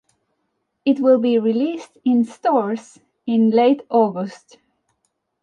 It will be released in stores in late August.